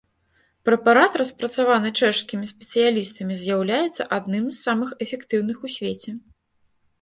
Прэпарат, распрацаваны чэшскімі спецыялістамі, з'яўляецца адным з самых эфектыўных у свеце.